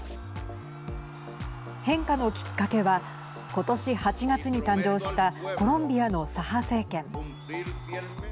変化のきっかけは今年８月に誕生したコロンビアの左派政権。